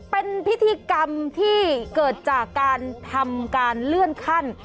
เป็นพิธีกรรมที่เกิดจากการทำการเลื่อนขั้น